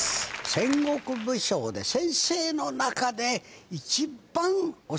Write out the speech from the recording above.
戦国武将で先生の中で。